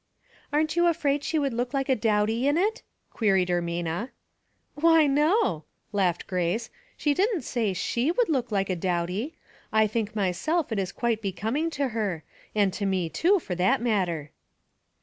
"Aren't you afraid she would look like a dowdy in it ?" queried Ermina. '' Why, no," laughed Grace. " She didn't say she would look like a dowdy. I think myself it is quite becoming to her ; and to me too, for that matter."